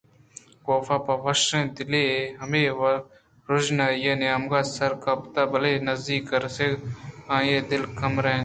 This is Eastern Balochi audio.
کاف پہ وشیں دلے ہمے روژنائیءِ نیمگ ءَ سر گپت بلئے نزّیک ءِ رسگ ءَ آئی ءِ دل گیمراِت